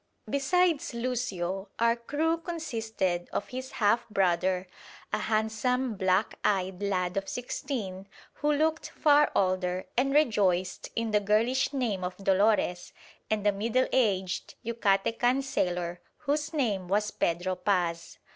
Besides Lucio our crew consisted of his half brother, a handsome black eyed lad of sixteen, who looked far older and rejoiced in the girlish name of Dolores, and a middle aged Yucatecan sailor whose name was Pedro Paz.